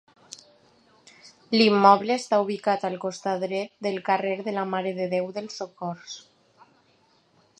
L'immoble està ubicat al costat dret del carrer de la Mare de Déu dels Socors.